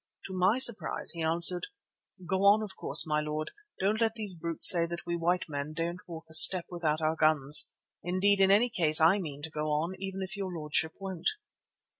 To my surprise, he answered: "'Go on, of course, my lord. Don't let those brutes say that we white men daren't walk a step without our guns. Indeed, in any case I mean to go on, even if your lordship won't.